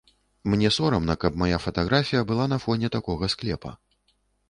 Мне сорамна, каб мая фатаграфія была на фоне такога склепа.